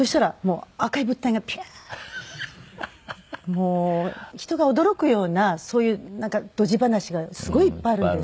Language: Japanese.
もう人が驚くようなそういうドジ話がすごいいっぱいあるんです。